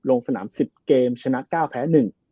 ลงสนาม๑๐เกมชนะ๙แพ้๑